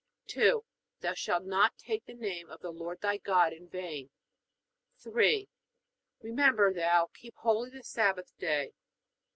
2. Thou shalt not take the name of the Lord thy God in vain. 3. Remember thou keep holy the Sabbath day.